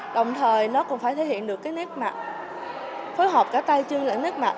đồng thời nó còn phải thể hiện được cái nét mặt phối hợp cả tay chân lại nét mặt